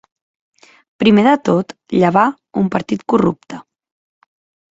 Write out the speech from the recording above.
Primer de tot, llevar un partit corrupte.